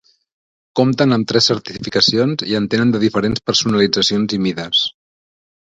Compten amb tres certificacions i en tenen de diferents personalitzacions i mides.